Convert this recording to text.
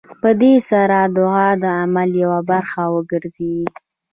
په دې سره دعا د عمل يوه برخه وګرځي.